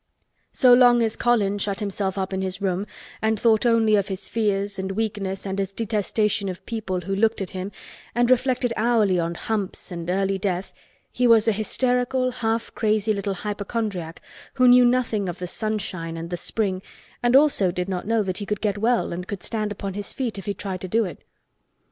So long as Colin shut himself up in his room and thought only of his fears and weakness and his detestation of people who looked at him and reflected hourly on humps and early death, he was a hysterical half crazy little hypochondriac who knew nothing of the sunshine and the spring and also did not know that he could get well and could stand upon his feet if he tried to do it.